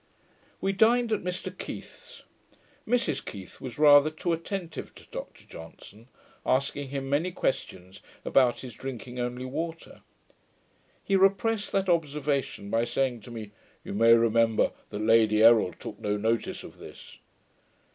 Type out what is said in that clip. We dined at Mr Keith's. Mrs Keith was rather too attentive to Dr Johnson, asking him many questions about his drinking only water. He repressed that observation, by saying to me, 'You may remember that Lady Errol took no notice of this.'